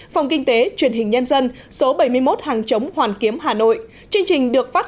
phòng kinh tế truyền hình nhân dân số bảy mươi một hàng chống hoàn kiếm hà nội chương trình được phát